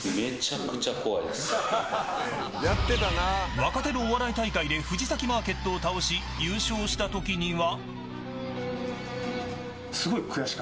若手のお笑い大会で藤崎マーケットを倒し優勝したときには。